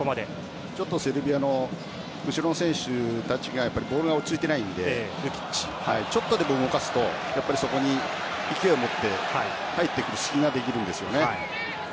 ちょっとセルビアの後ろの選手たちがボールが落ち着いてないのでちょっとでも動かすとそこに勢いでもって入ってくる隙ができるんですね。